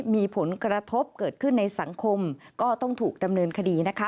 มีผลกระทบเกิดขึ้นในสังคมก็ต้องถูกดำเนินคดีนะคะ